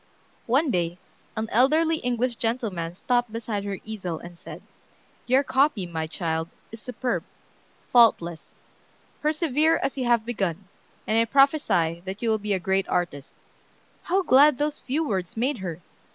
One day an elderly English gentleman stopped beside her easel, and said: "Your copy, my child, is superb, faultless. Persevere as you have begun, and I prophesy that you will be a great artist." How glad those few words made her!